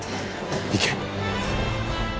行け。